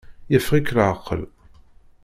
Yeffeɣ-ik leεqel?